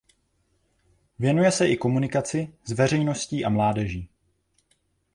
Věnuje se i komunikaci s veřejností a mládeží.